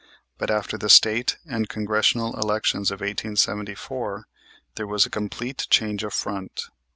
But after the State and Congressional elections of 1874 there was a complete change of front.